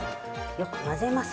よく混ぜます。